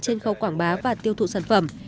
trên khấu quảng bá và tiêu thụ sản phẩm